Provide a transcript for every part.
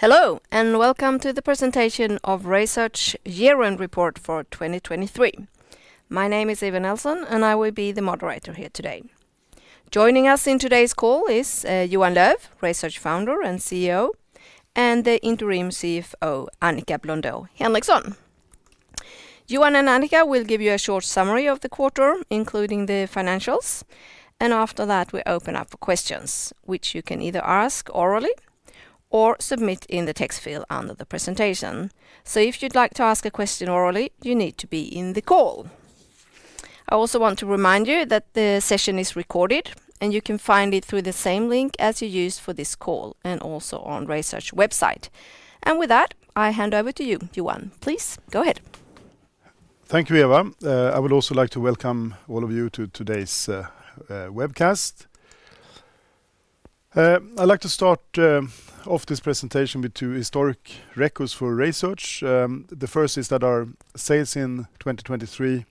Hello and welcome to the presentation of RaySearch's Year-End Report for 2023. My name is Eva Nelson and I will be the moderator here today. Joining us in today's call is Johan Löf, RaySearch's Founder and CEO, and the interim CFO Annika Blondeau Henriksson. Johan and Annika will give you a short summary of the quarter including the financials, and after that we open up for questions which you can either ask orally or submit in the text field under the presentation. So if you'd like to ask a question orally you need to be in the call. I also want to remind you that the session is recorded and you can find it through the same link as you used for this call and also on RaySearch's website. And with that I hand over to you, Johan. Please go ahead. Thank you, Eva. I would also like to welcome all of you to today's webcast. I'd like to start off this presentation with two historic records for RaySearch. The first is that our sales in 2023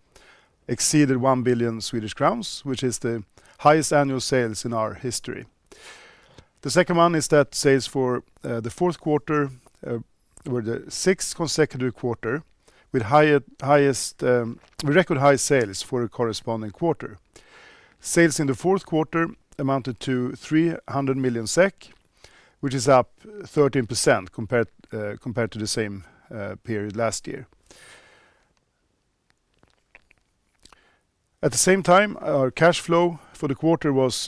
exceeded 1 billion Swedish crowns, which is the highest annual sales in our history. The second one is that sales for the fourth quarter were the sixth consecutive quarter with highest record high sales for a corresponding quarter. Sales in the fourth quarter amounted to 300 million SEK, which is up 13% compared to the same period last year. At the same time, our cash flow for the quarter was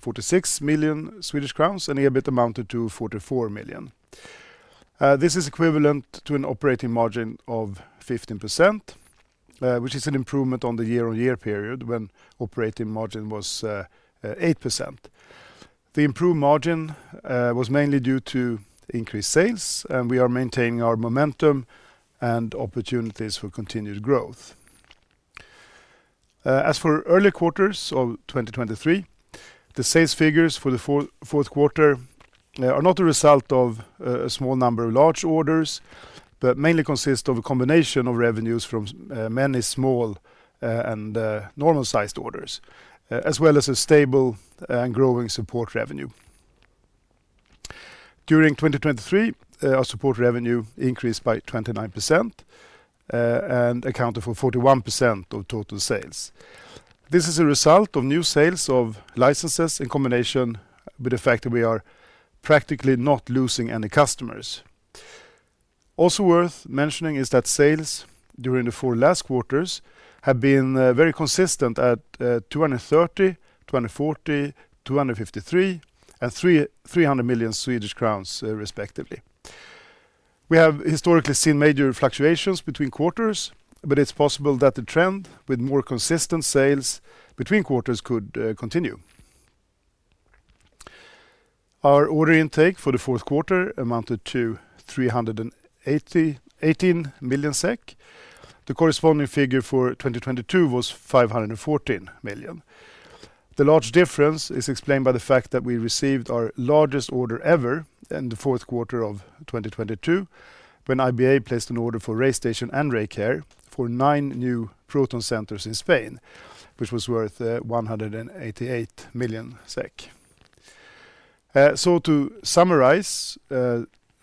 46 million Swedish crowns and EBIT amounted to 44 million. This is equivalent to an operating margin of 15%, which is an improvement on the year-on-year period when operating margin was 8%. The improved margin was mainly due to increased sales and we are maintaining our momentum and opportunities for continued growth. As for earlier quarters of 2023, the sales figures for the fourth quarter are not a result of a small number of large orders, but mainly consist of a combination of revenues from many small and normal-sized orders, as well as a stable and growing support revenue. During 2023, our support revenue increased by 29% and accounted for 41% of total sales. This is a result of new sales of licenses in combination with the fact that we are practically not losing any customers. Also worth mentioning is that sales during the four last quarters have been very consistent at SEK 230 million, SEK 240 million, SEK 253 million, and SEK 300 million respectively. We have historically seen major fluctuations between quarters, but it's possible that the trend with more consistent sales between quarters could continue. Our order intake for the fourth quarter amounted to SEK 318 million. The corresponding figure for 2022 was SEK 514 million. The large difference is explained by the fact that we received our largest order ever in the fourth quarter of 2022 when IBA placed an order for RayStation and RayCare for nine new proton centers in Spain, which was worth SEK 188 million. So to summarize,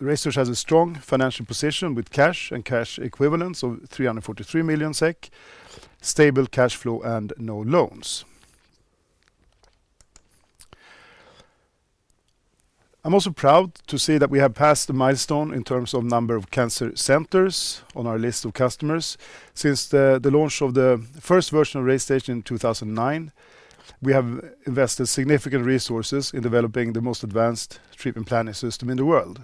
RaySearch has a strong financial position with cash and cash equivalents of 343 million SEK, stable cash flow, and no loans. I'm also proud to say that we have passed the milestone in terms of number of cancer centers on our list of customers. Since the launch of the first version of RayStation in 2009, we have invested significant resources in developing the most advanced treatment planning system in the world.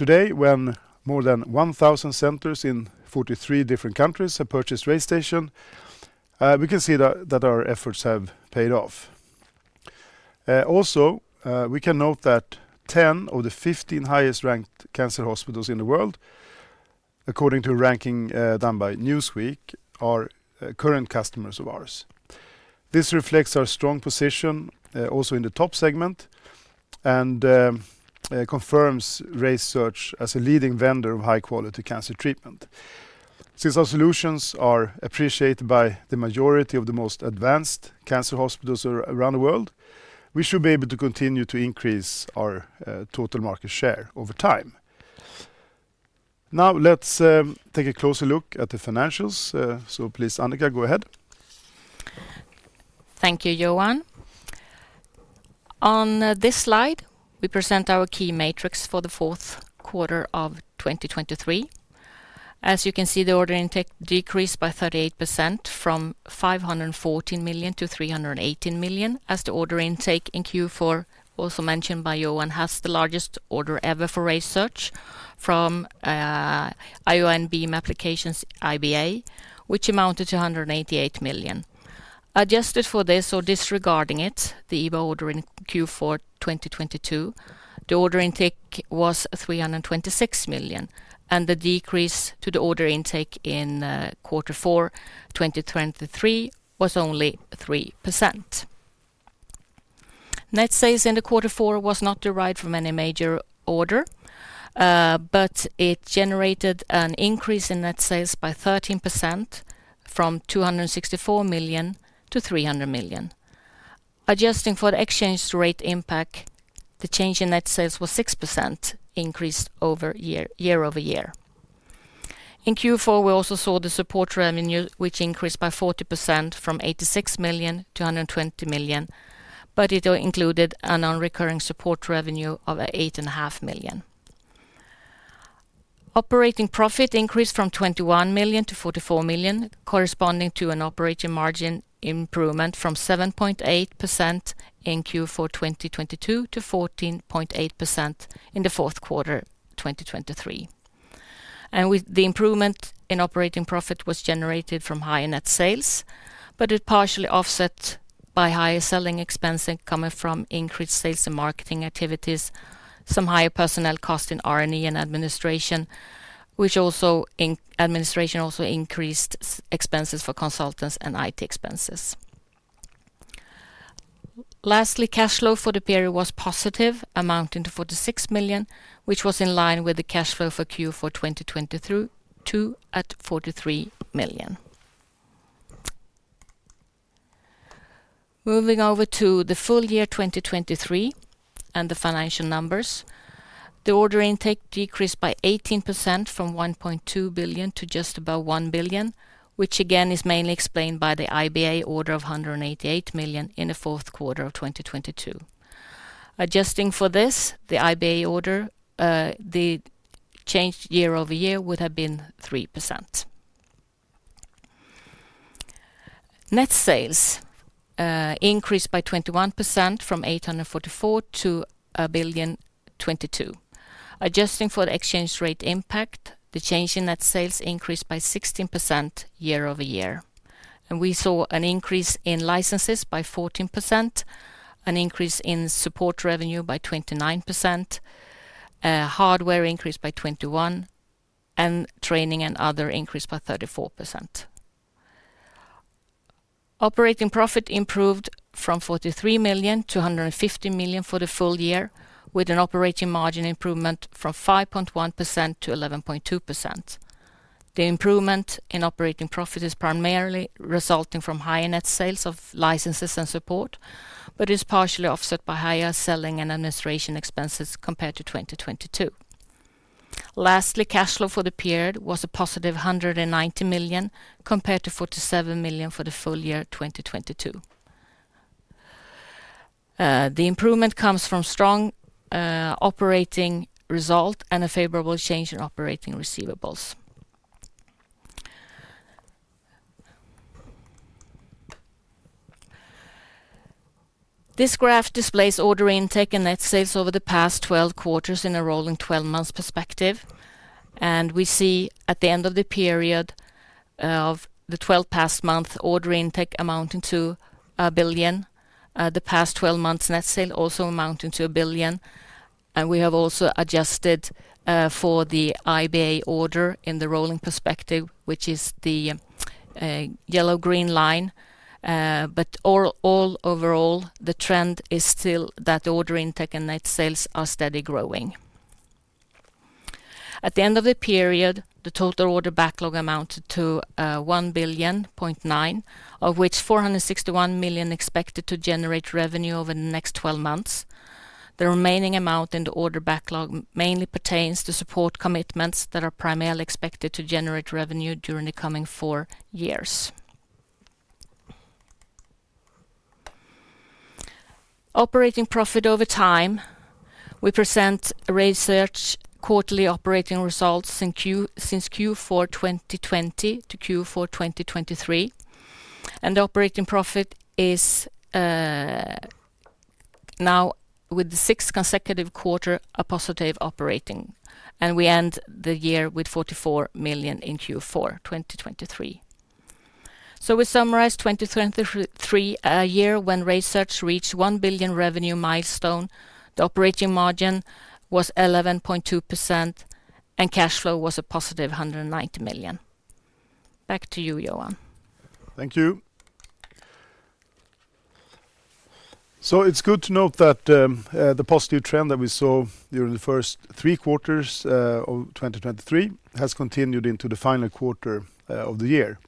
Today, when more than 1,000 centers in 43 different countries have purchased RayStation, we can see that our efforts have paid off. Also, we can note that 10 of the 15 highest ranked cancer hospitals in the world, according to a ranking done by Newsweek, are current customers of ours. This reflects our strong position also in the top segment and confirms RaySearch as a leading vendor of high-quality cancer treatment. Since our solutions are appreciated by the majority of the most advanced cancer hospitals around the world, we should be able to continue to increase our total market share over time. Now let's take a closer look at the financials. So please, Annika, go ahead. Thank you, Johan. On this slide, we present our key metrics for the fourth quarter of 2023. As you can see, the order intake decreased by 38% from 514 million to 318 million as the order intake in Q4, also mentioned by Johan, has the largest order ever for RaySearch from Ion Beam Applications, IBA, which amounted to 188 million. Adjusted for this or disregarding it, the IBA order in Q4 2022, the order intake was 326 million and the decrease to the order intake in quarter four 2023 was only 3%. Net sales in the quarter four was not derived from any major order, but it generated an increase in net sales by 13% from 264 million to 300 million. Adjusting for the exchange rate impact, the change in net sales was 6% increased year-over-year. In Q4, we also saw the support revenue, which increased by 40% from 86 million to 120 million, but it included an unrecurring support revenue of 8.5 million. Operating profit increased from 21 million to 44 million, corresponding to an operating margin improvement from 7.8% in Q4 2022 to 14.8% in the fourth quarter 2023. With the improvement in operating profit was generated from higher net sales, but it partially offset by higher selling expenses coming from increased sales and marketing activities, some higher personnel cost in R&D and administration, which also administration also increased expenses for consultants and IT expenses. Lastly, cash flow for the period was positive, amounting to 46 million, which was in line with the cash flow for Q4 2022 at 43 million. Moving over to the full year 2023 and the financial numbers, the order intake decreased by 18% from 1.2 billion to just about 1 billion, which again is mainly explained by the IBA order of 188 million in the fourth quarter of 2022. Adjusting for this, the IBA order, the change year-over-year would have been 3%. Net sales increased by 21% from 844 million to 1.02 billion. Adjusting for the exchange rate impact, the change in net sales increased by 16% year-over-year. We saw an increase in licenses by 14%, an increase in support revenue by 29%, hardware increased by 21%, and training and other increased by 34%. Operating profit improved from 43 million to 150 million for the full year with an operating margin improvement from 5.1% to 11.2%. The improvement in operating profit is primarily resulting from higher net sales of licenses and support, but is partially offset by higher selling and administration expenses compared to 2022. Lastly, cash flow for the period was a positive 190 million compared to 47 million for the full year 2022. The improvement comes from strong operating result and a favorable change in operating receivables. This graph displays order intake and net sales over the past 12 quarters in a rolling 12-month perspective. We see at the end of the period of the 12 past months order intake amounting to 1 billion, the past 12 months net sales also amounting to 1 billion. We have also adjusted for the IBA order in the rolling perspective, which is the yellow-green line. All overall, the trend is still that order intake and net sales are steady growing. At the end of the period, the total order backlog amounted to 1.9 billion, of which 461 million expected to generate revenue over the next 12 months. The remaining amount in the order backlog mainly pertains to support commitments that are primarily expected to generate revenue during the coming four years. Operating profit over time, we present RaySearch quarterly operating results since Q4 2020 to Q4 2023. The operating profit is now with the sixth consecutive quarter a positive operating. We end the year with 44 million in Q4 2023. We summarize 2023 a year when RaySearch reached 1 billion revenue milestone. The operating margin was 11.2% and cash flow was a positive 190 million. Back to you, Johan. Thank you. So it's good to note that the positive trend that we saw during the first three quarters of 2023 has continued into the final quarter of the year.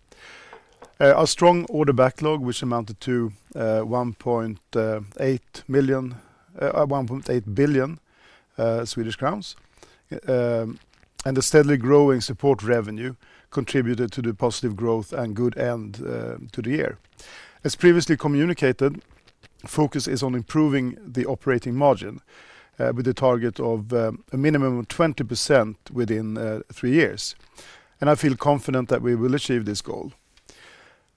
A strong order backlog, which amounted to 1.8 billion Swedish crowns, and a steadily growing support revenue contributed to the positive growth and good end to the year. As previously communicated, focus is on improving the operating margin with a target of a minimum of 20% within three years. I feel confident that we will achieve this goal.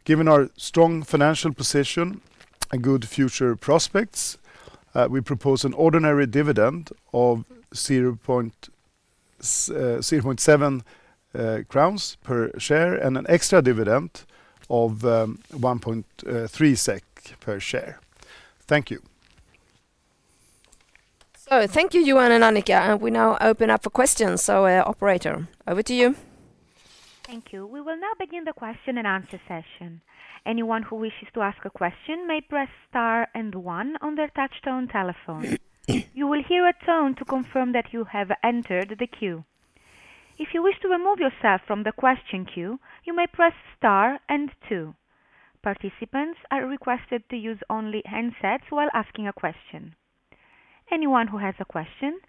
Given our strong financial position and good future prospects, we propose an ordinary dividend of 0.7 crowns per share and an extra dividend of 1.3 SEK per share. Thank you. Thank you, Johan and Annika. We now open up for questions. Operator, over to you. Thank you. We will now begin the question and answer session. Anyone who wishes to ask a question may press star and one on their touch-tone telephone. You will hear a tone to confirm that you have entered the queue. If you wish to remove yourself from the question queue, you may press star and two. Participants are requested to use only headsets while asking a question. Anyone who has a question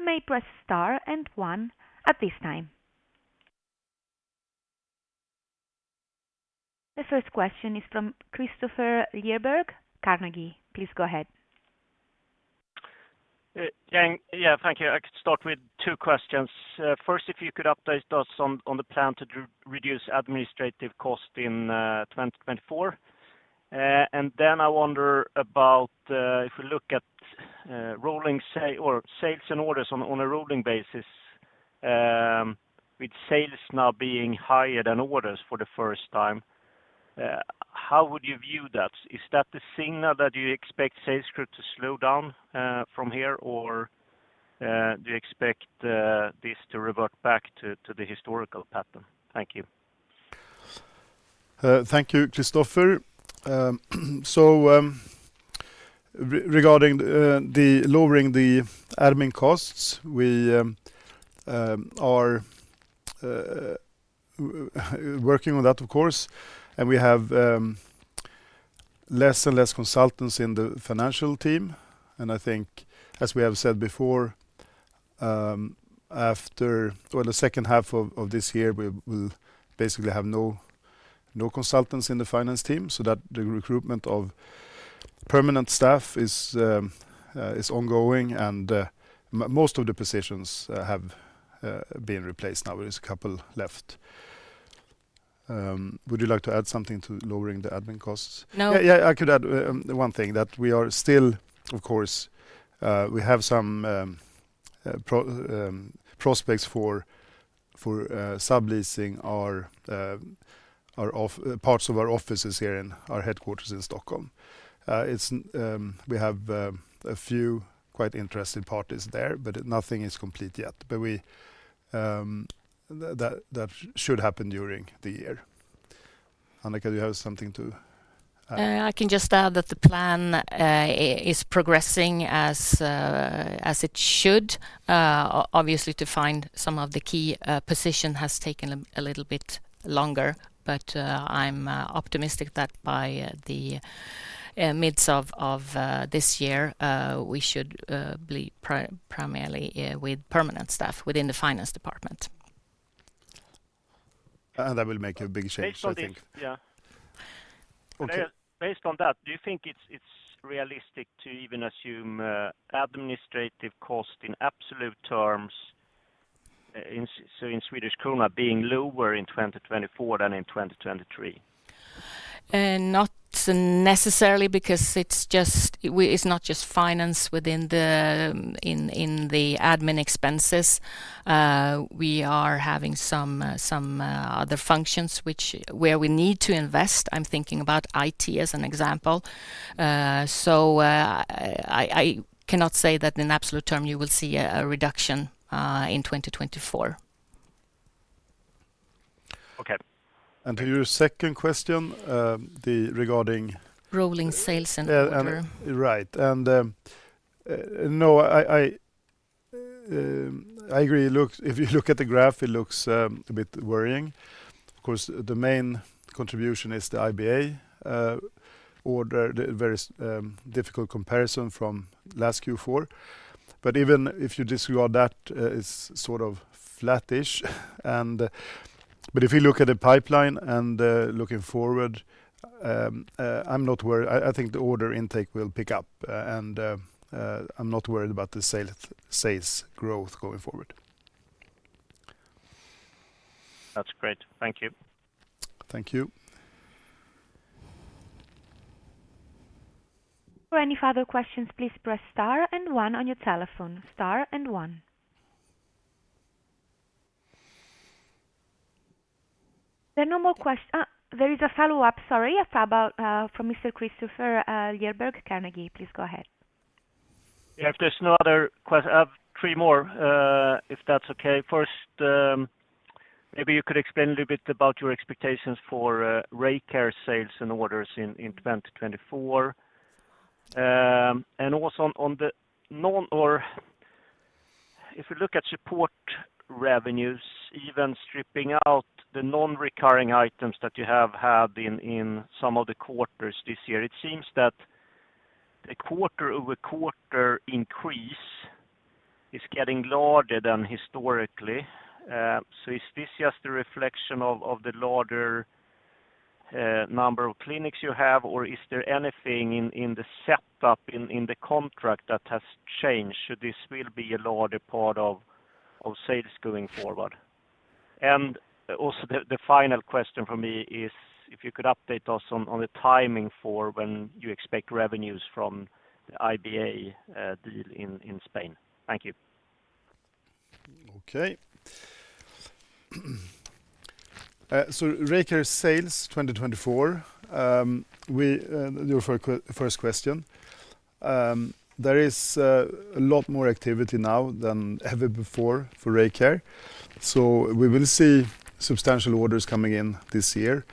may press star and one at this time. The first question is from Kristofer Liljeberg, Carnegie. Please go ahead. Yeah, thank you. I could start with two questions. First, if you could update us on the plan to reduce administrative costs in 2024. And then I wonder about if we look at rolling 12 sales and orders on a rolling basis, with sales now being higher than orders for the first time, how would you view that? Is that the signal that you expect sales growth to slow down from here, or do you expect this to revert back to the historical pattern? Thank you. Thank you, Kristofer. So regarding the lowering the admin costs, we are working on that, of course. And we have less and less consultants in the financial team. And I think, as we have said before, after the second half of this year, we will basically have no consultants in the finance team so that the recruitment of permanent staff is ongoing. And most of the positions have been replaced now. There is a couple left. Would you like to add something to lowering the admin costs? No. Yeah, I could add one thing that we are still, of course, we have some prospects for subleasing parts of our offices here in our headquarters in Stockholm. We have a few quite interesting parties there, but nothing is complete yet. But that should happen during the year. Annika, do you have something to add? I can just add that the plan is progressing as it should. Obviously, to find some of the key positions has taken a little bit longer. But I'm optimistic that by the midst of this year, we should be primarily with permanent staff within the finance department. That will make a big change, I think. Based on the yeah. Okay. Based on that, do you think it's realistic to even assume administrative cost in absolute terms, so in Swedish krona, being lower in 2024 than in 2023? Not necessarily because it's not just finance within the admin expenses. We are having some other functions where we need to invest. I'm thinking about IT as an example. So I cannot say that in absolute terms you will see a reduction in 2024. Okay. To your second question, regarding. Rolling sales and order. Right. And no, I agree. If you look at the graph, it looks a bit worrying. Of course, the main contribution is the IBA order, the very difficult comparison from last Q4. But even if you disregard that, it's sort of flat-ish. But if you look at the pipeline and looking forward, I'm not worried. I think the order intake will pick up. And I'm not worried about the sales growth going forward. That's great. Thank you. Thank you. For any further questions, please press star and one on your telephone. Star and one. There are no more questions. There is a follow-up, sorry, from Mr. Kristofer Liljeberg, Carnegie. Please go ahead. Yeah, if there's no other questions, I have three more, if that's okay. First, maybe you could explain a little bit about your expectations for RayCare sales and orders in 2024. And also, if we look at support revenues, even stripping out the non-recurring items that you have had in some of the quarters this year, it seems that a quarter-over-quarter increase is getting larger than historically. So is this just a reflection of the larger number of clinics you have, or is there anything in the setup, in the contract that has changed? So this will be a larger part of sales going forward. And also the final question for me is if you could update us on the timing for when you expect revenues from the IBA deal in Spain? Thank you. Okay. So RayCare sales 2024, your first question. There is a lot more activity now than ever before for RayCare. So we will see substantial orders coming in this year.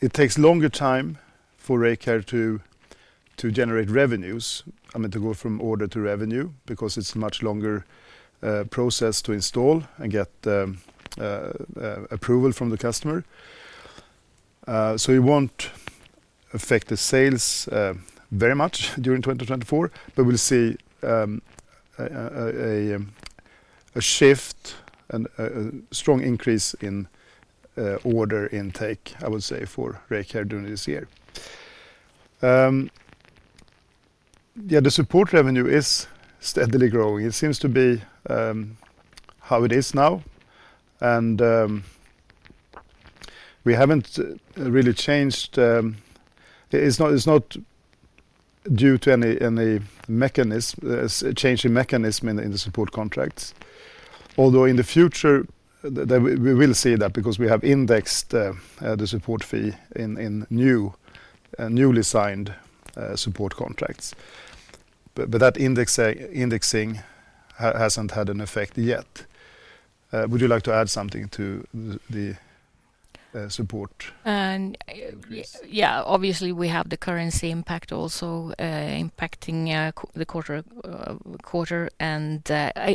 It takes longer time for RayCare to generate revenues, I mean, to go from order to revenue because it's a much longer process to install and get approval from the customer. So it won't affect the sales very much during 2024, but we'll see a shift and a strong increase in order intake, I would say, for RayCare during this year. Yeah, the support revenue is steadily growing. It seems to be how it is now. And we haven't really changed. It's not due to any change in mechanism in the support contracts. Although in the future, we will see that because we have indexed the support fee in newly signed support contracts. But that indexing hasn't had an effect yet. Would you like to add something to the support increase? Yeah, obviously, we have the currency impact also impacting the quarter.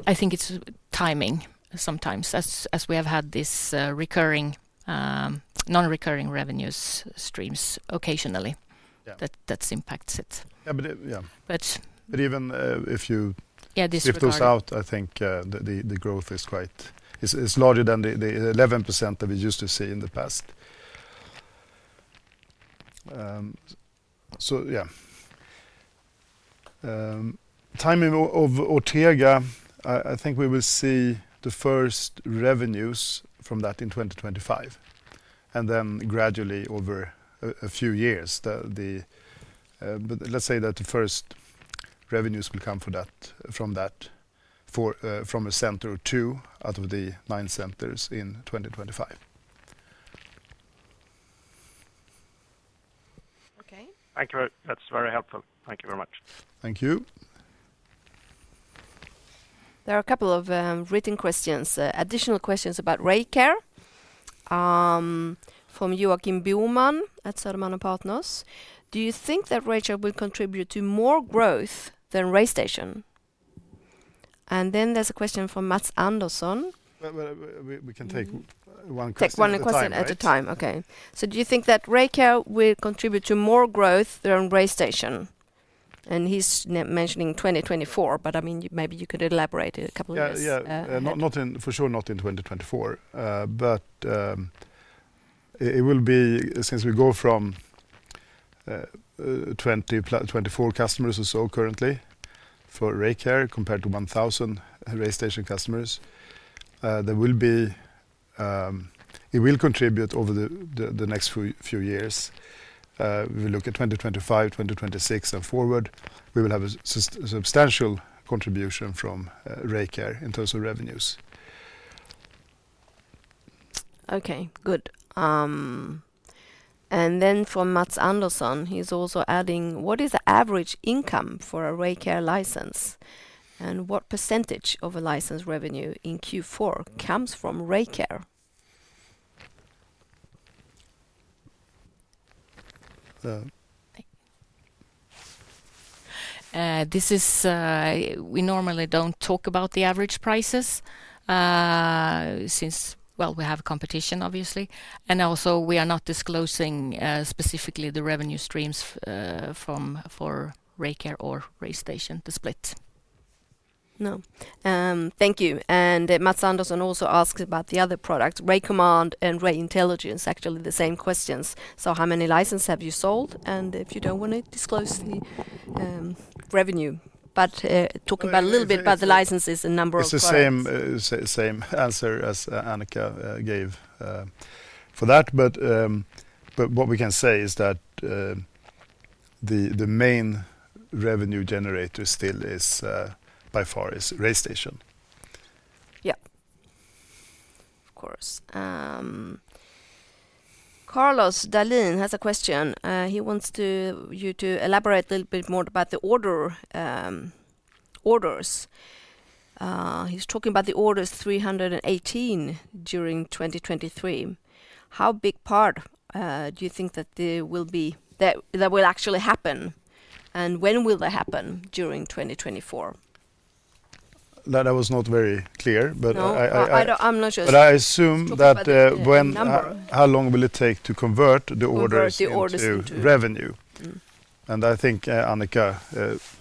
I think it's timing sometimes as we have had these non-recurring revenue streams occasionally that impacts it. Yeah, but even if those out, I think the growth is quite it's larger than the 11% that we used to see in the past. So yeah. Timing of Ortega, I think we will see the first revenues from that in 2025 and then gradually over a few years. But let's say that the first revenues will come from that from a center or two out of the nine centers in 2025. Okay. Thank you. That's very helpful. Thank you very much. Thank you. There are a couple of written questions, additional questions about RayCare from Joakim Bornold at Söderberg & Partners. Do you think that RayCare will contribute to more growth than RayStation? And then there's a question from Mats Andersson. We can take one question. Take one question at a time. Okay. So do you think that RayCare will contribute to more growth than RayStation? And he's mentioning 2024, but I mean, maybe you could elaborate a couple of years. Yeah, yeah. For sure, not in 2024. But it will be since we go from 20-24 customers or so currently for RayCare compared to 1,000 RayStation customers; it will contribute over the next few years. If we look at 2025, 2026, and forward, we will have a substantial contribution from RayCare in terms of revenues. Okay. Good. And then from Mats Andersson, he's also adding, what is the average income for a RayCare license? And what percentage of a license revenue in Q4 comes from RayCare? Thank you. We normally don't talk about the average prices since, well, we have competition, obviously. Also, we are not disclosing specifically the revenue streams for RayCare or RayStation, the split. No. Thank you. And Mats Andersson also asks about the other products, RayCommand and RayIntelligence, actually the same questions. So how many licenses have you sold? And if you don't want to disclose the revenue, but talking a little bit about the licenses and number of products. It's the same answer as Annika gave for that. But what we can say is that the main revenue generator still is by far RayStation. Yeah, of course. Carlos Dahlin has a question. He wants you to elaborate a little bit more about the orders. He's talking about the orders 318 during 2023. How big part do you think that will be that will actually happen? And when will that happen during 2024? That was not very clear, but I. No, I'm not sure. But I assume that how long will it take to convert the orders to revenue? And I think Annika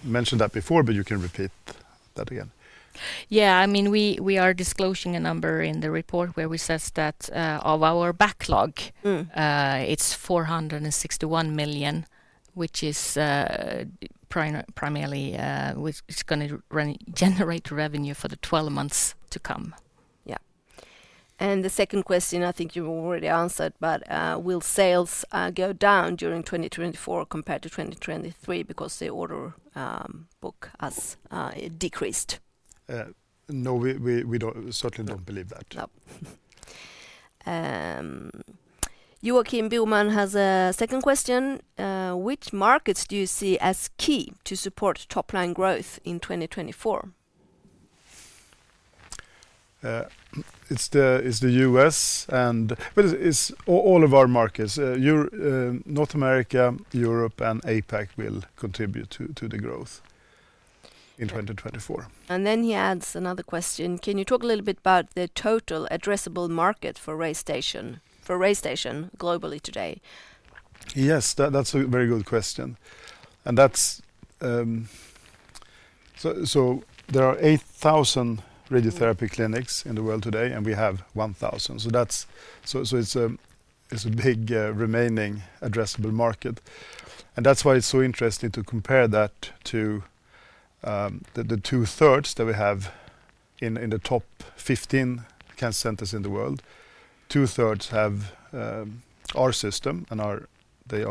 mentioned that before, but you can repeat that again. Yeah, I mean, we are disclosing a number in the report where we say that of our backlog, it's 461 million, which is primarily, it's going to generate revenue for the 12 months to come. Yeah. And the second question, I think you already answered, but will sales go down during 2024 compared to 2023 because the order book has decreased? No, we certainly don't believe that. No. Joakim Bornold has a second question. Which markets do you see as key to support top-line growth in 2024? It's the U.S., and well, it's all of our markets. North America, Europe, and APAC will contribute to the growth in 2024. Then he adds another question. Can you talk a little bit about the total addressable market for RayStation globally today? Yes, that's a very good question. So there are 8,000 radiotherapy clinics in the world today, and we have 1,000. So it's a big remaining addressable market. And that's why it's so interesting to compare that to the two-thirds that we have in the top 15 cancer centers in the world. Two-thirds have our system, and they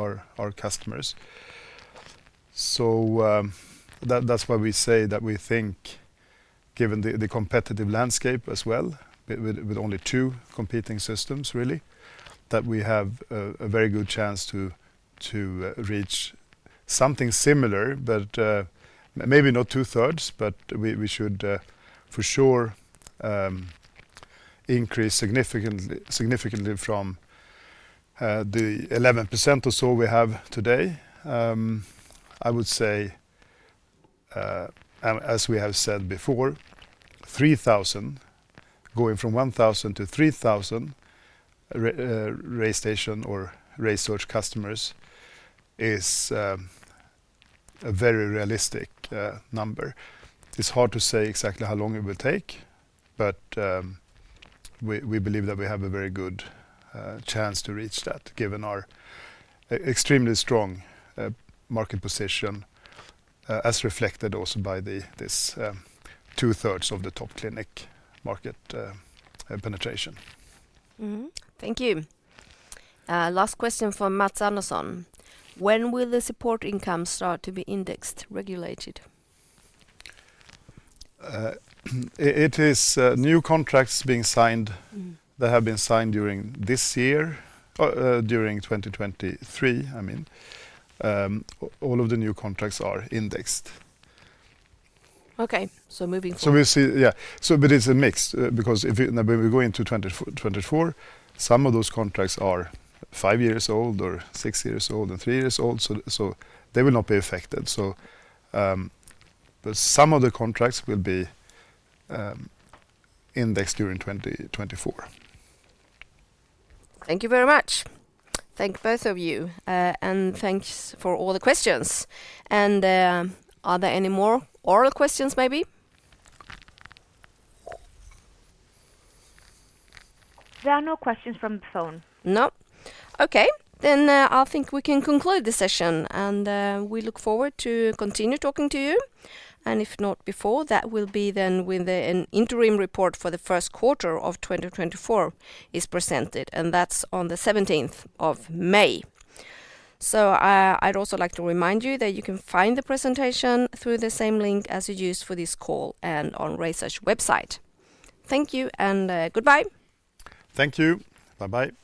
are our customers. So that's why we say that we think, given the competitive landscape as well, with only two competing systems, really, that we have a very good chance to reach something similar, but maybe not two-thirds, but we should for sure increase significantly from the 11% or so we have today. I would say, as we have said before, 3,000, going from 1,000 to 3,000 RayStation or RaySearch customers is a very realistic number. It's hard to say exactly how long it will take, but we believe that we have a very good chance to reach that given our extremely strong market position as reflected also by these two-thirds of the top clinic market penetration. Thank you. Last question from Mats Andersson. When will the support income start to be indexed, regulated? It is new contracts being signed that have been signed during this year, during 2023, I mean. All of the new contracts are indexed. Okay. Moving forward. So we'll see, yeah. But it's a mix because when we go into 2024, some of those contracts are 5 years old or 6 years old and 3 years old, so they will not be affected. But some of the contracts will be indexed during 2024. Thank you very much. Thank both of you. Thanks for all the questions. Are there any more oral questions, maybe? There are no questions from the phone. No. Okay. Then I think we can conclude the session. We look forward to continue talking to you. If not before, that will be then when the interim report for the first quarter of 2024 is presented. That's on the 17th of May. I'd also like to remind you that you can find the presentation through the same link as you used for this call and on RaySearch website. Thank you and goodbye. Thank you. Bye-bye.